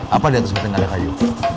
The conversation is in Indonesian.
apa di atas meteng ada kayu